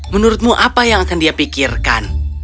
menurutmu apa yang akan dia pikirkan